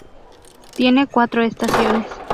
Tiene cuatro estaciones.